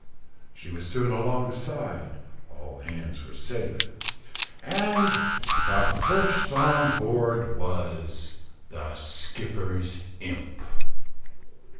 She was soon alongside, all hands were safe, and the first on board was the skipper's imp.